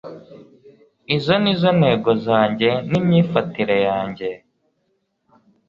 izi ni zo ntego zanjye n'imyifatire yanjye